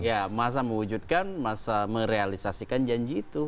ya masa mewujudkan masa merealisasikan janji itu